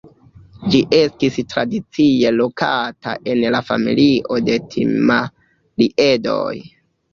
Ĝi estis tradicie lokata en la familio de Timaliedoj.